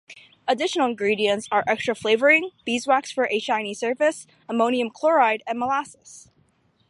Additional ingredients are extra flavouring, beeswax for a shiny surface, ammonium chloride and molasses.